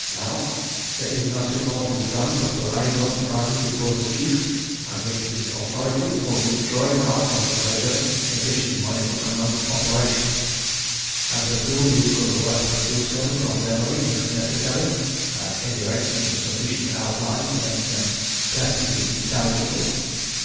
Now there is nothing more to be done but to lay those plans before the Chief and get his authority for withdrawing out of the treasury sufficient money to commence operations. I presume you could reproduce them from memory if necessary at any rate, in sufficient outline to make them perfectly intelligible?"